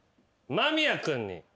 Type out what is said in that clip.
間宮君の。